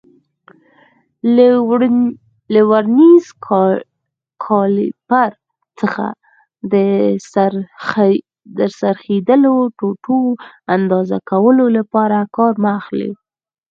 له ورنیز کالیپر څخه د څرخېدلو ټوټو اندازه کولو لپاره کار مه اخلئ.